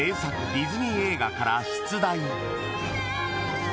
ディズニー映画から出題］